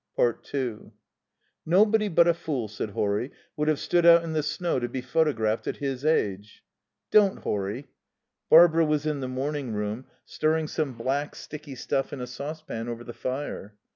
2 "Nobody but a fool," said Horry, "would have stood out in the snow to be photographed ... at his age." "Don't, Horry." Barbara was in the morning room, stirring some black, sticky stuff in a saucepan over the fire.